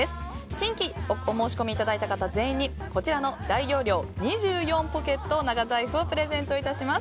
新規でお申し込みいただいた方全員に大容量２４ポケット長財布をプレゼントします。